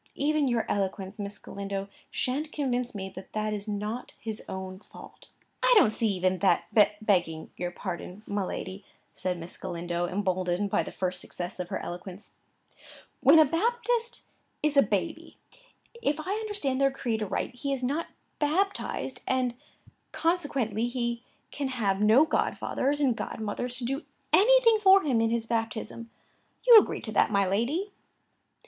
Even your eloquence, Miss Galindo, shan't convince me that that is not his own fault." "I don't see even that, begging your pardon, my lady," said Miss Galindo, emboldened by the first success of her eloquence. "When a Baptist is a baby, if I understand their creed aright, he is not baptized; and, consequently, he can have no godfathers and godmothers to do anything for him in his baptism; you agree to that, my lady?"